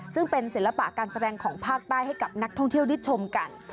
ซึ่งเป็นศิลปะการแสดงของภาคใต้ให้กับนักท่องเที่ยวได้ชมกัน